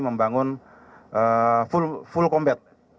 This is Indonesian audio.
membangun full combat